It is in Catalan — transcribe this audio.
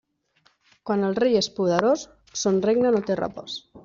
Quan el rei és poderós, son regne no té repòs.